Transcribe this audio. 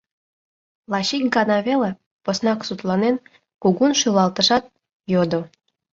Лач ик гана веле, поснак сутланен, кугун шӱлалтышат, йодо: